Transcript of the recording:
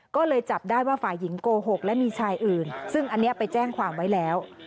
ก็เลยจับได้ว่าฝ่ายหญิงโกหกและมีชายอื่นซึ่งอันนี้ไปแจ้งความไว้แล้ว